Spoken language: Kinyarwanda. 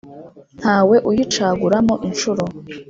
Ntawe uyicaguramo inshuro